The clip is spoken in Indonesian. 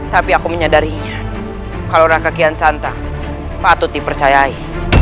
tapi aku menyadarinya kalau raka kiansanta patut dipercayai